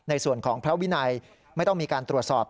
ในส่วนของพระวินัยไม่ต้องมีการตรวจสอบ